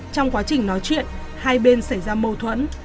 trong quá trình nói chuyện hai bên xảy ra mâu thuẫn